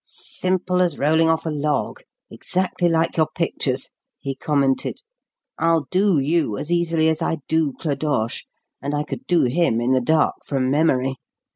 "Simple as rolling off a log exactly like your pictures," he commented. "I'll 'do' you as easily as I 'do' Clodoche and I could 'do' him in the dark from memory.